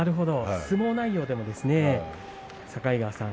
相撲内容でも、境川さん